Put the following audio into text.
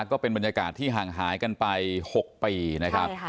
ก็เป็นบรรยากาศที่ห่างหายกันไป๖ปีนะครับ